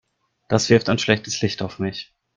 Das wirft ein schlechtes Licht auf mich.